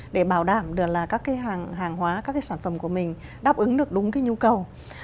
để bảo đảm được là các hàng hóa các sản phẩm của mình đáp ứng được đúng nhu cầu